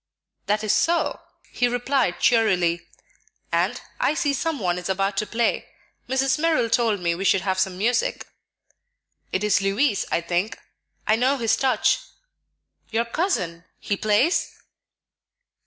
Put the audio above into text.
"That is so," he replied cheerily; "and I see some one is about to play. Mrs. Merrill told me we should have some music." "It is Louis, I think; I know his touch." "Your cousin? He plays?"